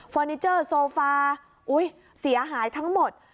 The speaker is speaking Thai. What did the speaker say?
ฟอร์นิเจอร์โซฟาเสียหายทั้งหมด